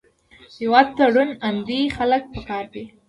هېواد ته روڼ اندي خلک پکار دي